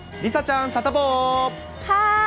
梨紗ちゃん、サタボー。